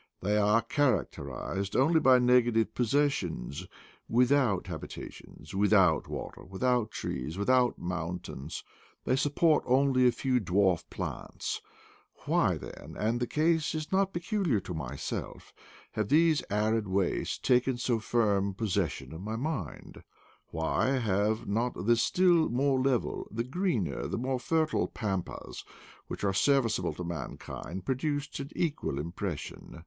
They are character ized only by negative possessions ; without habita tions, without water, without trees, without moun tains, they support only a few dwarf plants. Why, then — and the case is not peculiar to myself — have these arid wastes taken so firm possession of my mindf Why have not the still more level, the greener and more fertile pampas, which are serviceable to mankind, produced an equal impres sion?